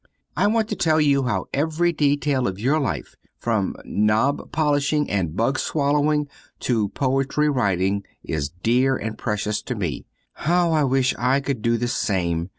I want to tell you how every detail of your life from knob polishing and bug swallowing to poetry writing is dear and precious to me. How I wish I could do the same!